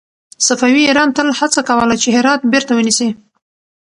صفوي ایران تل هڅه کوله چې هرات بېرته ونيسي.